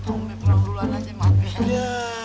umi pulang duluan aja maaf ya